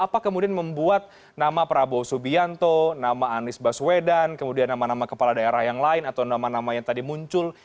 apa kemudian membuat nama prabowo subianto nama anies baswedan kemudian nama nama kepala daerah yang lain atau nama nama yang tadi muncul